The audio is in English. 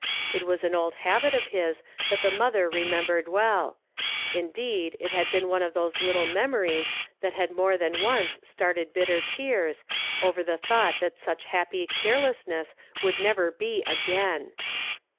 It was an old habit of his that the mother remembered well ; indeed, it had been one of those little memories that had more than once started bitter teai s, over the thought that such happy carelessness would never be again.